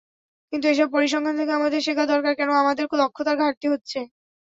কিন্তু এসব পরিসংখ্যান থেকে আমাদের শেখা দরকার, কেন আমাদের দক্ষতার ঘাটতি হচ্ছে।